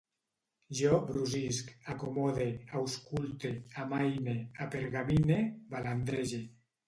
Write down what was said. Jo brusisc, acomode, ausculte, amaine, apergamine, balandrege